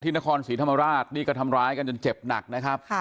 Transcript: นครศรีธรรมราชนี่ก็ทำร้ายกันจนเจ็บหนักนะครับ